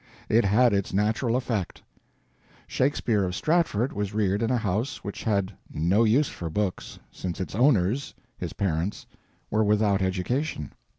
It had its natural effect. Shakespeare of Stratford was reared in a house which had no use for books, since its owners, his parents, were without education.